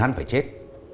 không phải biết